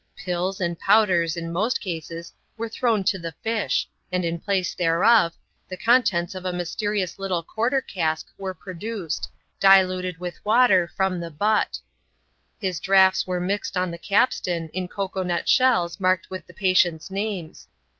Pills and powders, in most cases, were thrown to the fish, and in place thereof, the contents of a mysterious little quarter cask were produced, diluted with water from the " butt." His draughts were mixed on the capstan, in cocoa nut shells marked with the patients' names.